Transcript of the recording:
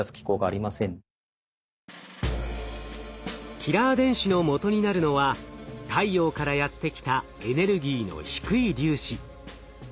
キラー電子のもとになるのは太陽からやって来たエネルギーの低い粒子。